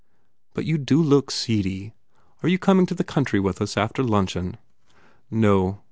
But you do look seedy. Are you coming to the country with us after luncheon?" "No."